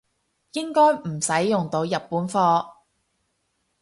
應該唔使用到日本貨